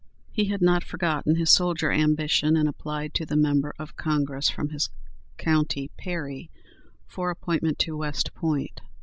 He had not forgotten his soldier ambition, and applied to the member of Congress from his county, Perry, for appointment to West Point.